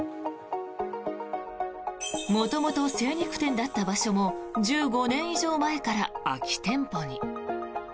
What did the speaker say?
元々、精肉店だった場所も１５年以上前から空き店舗に。